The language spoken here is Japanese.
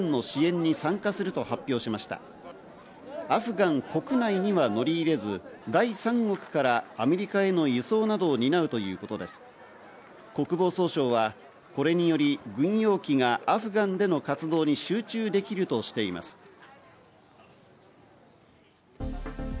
国防総省はこれにより軍用機がアフガンでの活動に集中できるとしています。